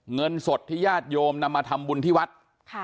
เงินสดที่ญาติโยมนำมาทำบุญที่วัด